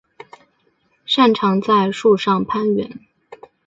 擅长在树上攀援。